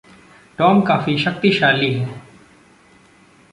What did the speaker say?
Tom काफी शक्तिशाली है।